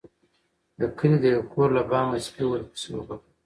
د کلي د يو کور له بامه سپي ورپسې وغپل.